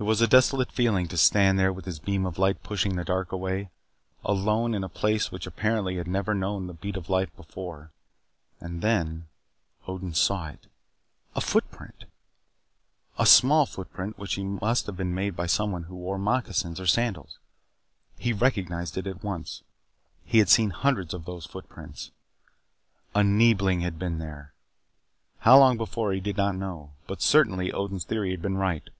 It was a desolate feeling to stand there with his beam of light pushing the dark away. Alone in a place which apparently had never known the beat of life before. And then Odin saw it A footprint. A small footprint which must have been made by someone who wore moccasins or sandals. He recognized it at once. He had seen hundreds of those footprints! A Neebling had been there. How long before he did not know. But, certainly, Odin's theory had been right.